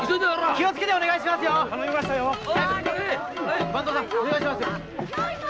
気をつけてお願いしますよ！